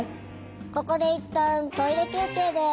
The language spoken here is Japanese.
ここでいったんトイレ休憩です。